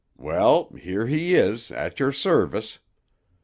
Well, here he is, at your service.